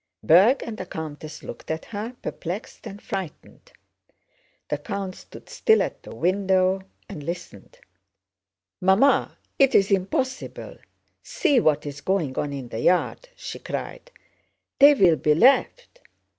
Berg and the countess looked at her, perplexed and frightened. The count stood still at the window and listened. "Mamma, it's impossible: see what is going on in the yard!" she cried. "They will be left!..."